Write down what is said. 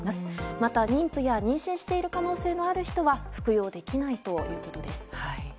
また妊婦や妊娠している可能性のある人は服用できないということです。